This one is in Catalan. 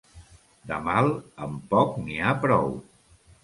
De mal, amb poc n'hi ha prou.